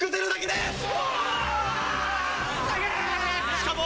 しかも。